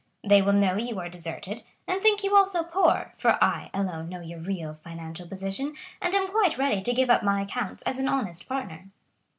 They will know you are deserted, and think you also poor, for I alone know your real financial position, and am quite ready to give up my accounts as an honest partner."